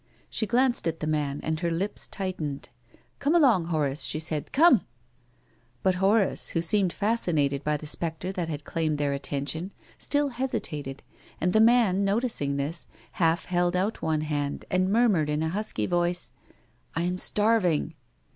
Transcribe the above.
She glanced at the man, and her lips tight ened. " Come along, Horace," she said. " Come !" But Horace, who seemed fascinated by the spectre that had claimed their attention, still hesi tated, and the man, noticing this, half held out one hand and murmured in a husky voice —" I am starving."